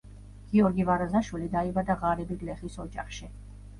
გიორგი ვარაზაშვილი დაიბადა ღარიბი გლეხის ოჯახში.